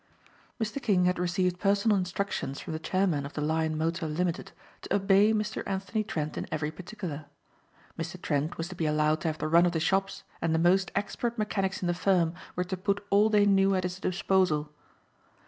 Mr. King had received personal instructions from the chairman of the Lion Motor, Ltd., to obey Mr. Anthony Trent in every particular. Mr. Trent was to be allowed to have the run of the shops and the most expert mechanics in the firm were to put all they knew at his disposal.